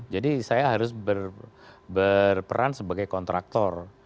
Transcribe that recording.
jadi saya harus berperan sebagai kontraktor